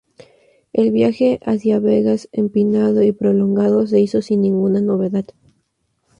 El viaje hacia Begas, empinado y prolongado, se hizo sin ninguna novedad.